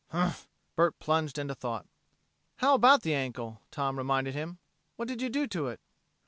"Humph!" Bert plunged into thought. "How about the ankle?" Tom reminded him. "What did you do to it?"